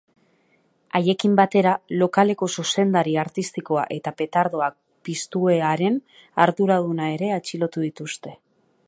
Haiekin batera, lokaleko zuzendari artistikoa eta petardoak piztuearen arduraduna ere atxilotu dituzte.